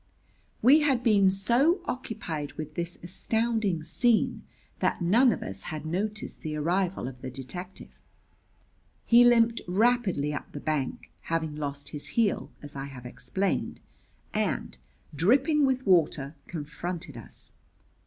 We had been so occupied with this astounding scene that none of us had noticed the arrival of the detective. He limped rapidly up the bank having lost his heel, as I have explained and, dripping with water, confronted us.